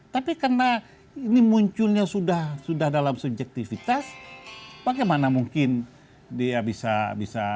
tapi karena ini munculnya sudah dalam subjektivitas bagaimana mungkin dia bisa bisa